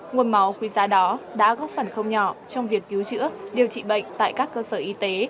nguồn máu quý giá đó đã góp phần không nhỏ trong việc cứu chữa điều trị bệnh tại các cơ sở y tế